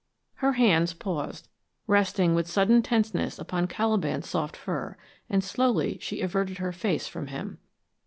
Her hands paused, resting with sudden tenseness upon Caliban's soft fur, and slowly she averted her face from him.